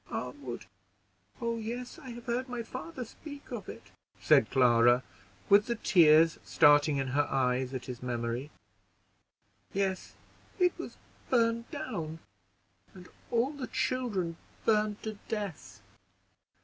"Arnwood! oh yes, I have heard my father speak of it," said Clara, with the tears starting in her eyes at his memory. "Yes, it was burned down, and all the children burned to death!"